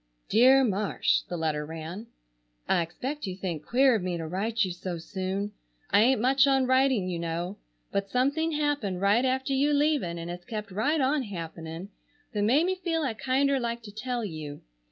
"DEAR MARSH,"—the letter ran:— "I expect you think queer of me to write you so soon. I ain't much on writing you know, but something happened right after you leaving and has kept right on happening that made me feel I kinder like to tell you.